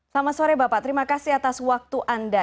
selamat sore bapak terima kasih atas waktu anda